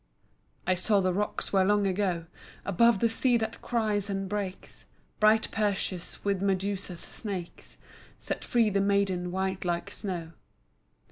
I saw the rocks where long ago, Above the sea that cries and breaks, Bright Perseus with Medusa's snakes Set free the maiden white like snow.